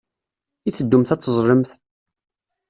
I teddumt ad teẓẓlemt?